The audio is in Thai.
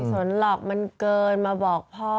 สนหรอกมันเกินมาบอกพ่อ